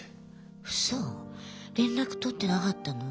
ウソ連絡とってなかったの？